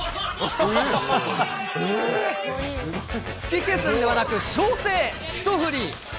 吹き消すんではなく、掌底一振り。